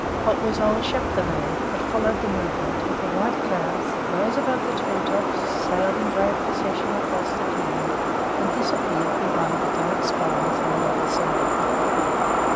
Or it was old Chapdelaine who followed the movement of the white clouds that rose above the tree tops, sailed in glad procession across the clearing, and disappeared behind the dark spires on the other side.